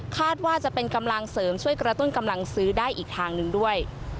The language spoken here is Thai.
ว่าจะเป็นกำลังเสริมช่วยกระตุ้นกำลังซื้อได้อีกทางหนึ่งด้วย